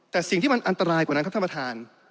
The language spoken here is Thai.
แต่สิ่งที่มันอันตรายกว่านั้นครับท่านประธาน